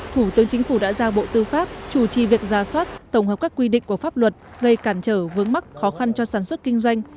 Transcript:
thủ tướng chính phủ đã ra bộ tư pháp chủ trì việc ra soát tổng hợp các quy định của pháp luật gây cản trở vướng mắc khó khăn cho sản xuất kinh doanh